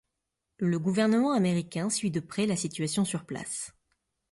Le gouvernement américain suit de près la situation sur place.